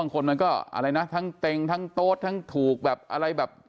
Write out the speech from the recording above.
บางคนมันก็อะไรนะทั้งเต็งทั้งโต๊ดทั้งถูกแบบอะไรแบบ